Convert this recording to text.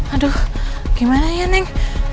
aduh gimana ya neng